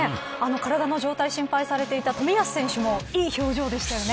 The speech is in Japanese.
体の状態が心配されていた冨安選手もいい表情でしたよね。